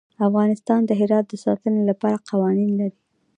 افغانستان د هرات د ساتنې لپاره قوانین لري.